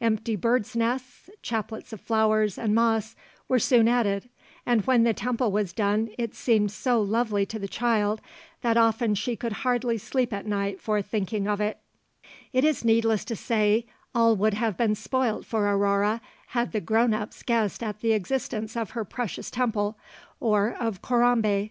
Empty birds' nests, chaplets of flowers and moss were soon added, and when the temple was done it seemed so lovely to the child that often she could hardly sleep at night for thinking of it. [Illustration: AURORE SETS FREE THE CAPTIVE BIRDS AT THE ALTAR OF CORAMBÉ.] It is needless to say all would have been spoilt for Aurore had the 'grown ups' guessed at the existence of her precious temple or of Corambé.